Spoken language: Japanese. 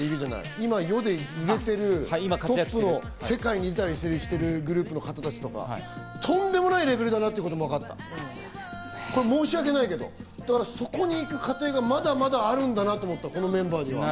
今、世で売れているトップの世界に出たりしているグループの方たちとか、とんでもないレベルだなってことも分かった、申し訳ないけど、そこに行く過程がまだまだあるんだなと思った、このメンバーは。